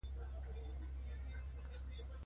که تاسو يئ او موږ يو نو هيڅ به نه کېږي